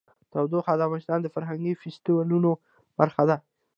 تودوخه د افغانستان د فرهنګي فستیوالونو برخه ده.